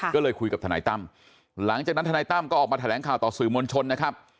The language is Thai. ก็เลยคุยกับทนายตั้มหลังจากนั้นทนายตั้มก็ออกมาแถลงข่าวต่อสื่อมวลชนนะครับ